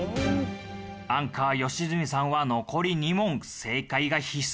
アンカー良純さんは残り２問正解が必須じゃ！